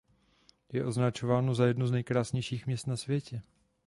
Je označováno za jedno z nejkrásnějších měst na světě.